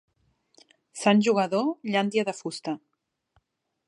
Sant Jugador, llàntia de fusta.